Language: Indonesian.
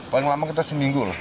paling lama kita seminggu lah